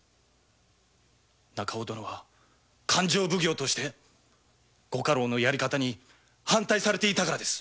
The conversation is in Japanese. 中尾殿は勘定奉行として御家老のやり方に反対されていたからです。